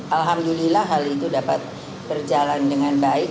alhamdulillah hal itu dapat berjalan dengan baik